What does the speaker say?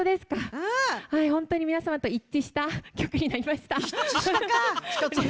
本当に皆さんと一致した曲になりました。